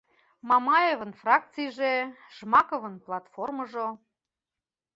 Мамаевын фракцийже, Жмаковын платформыжо...